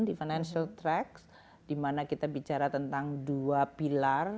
di financial track di mana kita bicara tentang dua pilar